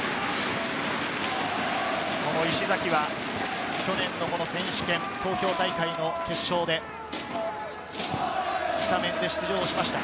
石崎は去年の選手権、東京大会の決勝はスタメンで出場しました。